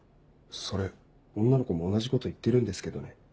それ女の子も同じこと言ってるんですけどね